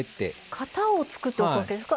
型を作っておくわけですか。